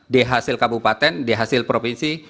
di hasil kabupaten d hasil provinsi